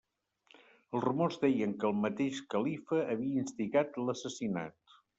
Els rumors deien que el mateix califa havia instigat l'assassinat.